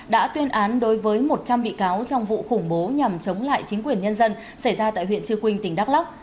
đã tuyên án đối với một trăm linh bị cáo trong vụ khủng bố nhằm chống lại chính quyền nhân dân xảy ra tại huyện trư quynh tỉnh đắk lắc